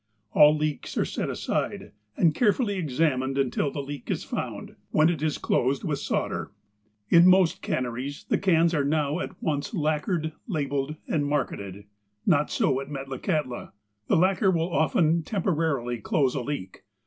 All ^Meaks" are set aside, and carefully examined till the leak is found, when it is closed with 354 THE APOSTLE OF ALASKA solder. In most canneries the cans are now at once lacquered, labelled, and marketed. Not so at Metla kaiitla. The lacquer will often temporarily close a leak.